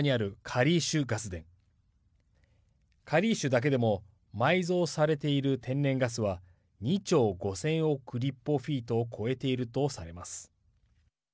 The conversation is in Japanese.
カリーシュだけでも埋蔵されている天然ガスは２兆５０００億立方フィートを超えているとされます。